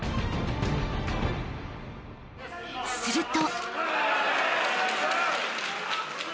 ［すると］